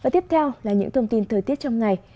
tiếp theo là những thông tin thời tiết trong ngày